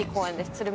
鶴見